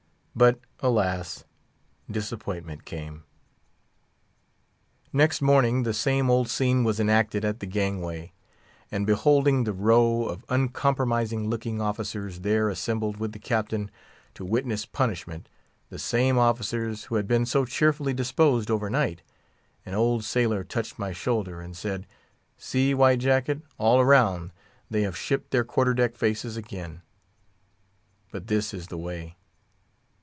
But, alas! disappointment came. Next morning the same old scene was enacted at the gang way. And beholding the row of uncompromising looking officers there assembled with the Captain, to witness punishment—the same officers who had been so cheerfully disposed over night—an old sailor touched my shoulder and said, "See, White Jacket, all round they have shipped their quarter deck faces again. But this is the way."